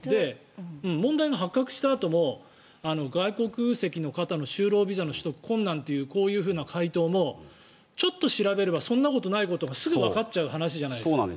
問題が発覚したあとも外国籍の方の就労ビザの取得が困難という、こういう回答もちょっと調べればそんなことないことがすぐわかっちゃう話じゃないですか。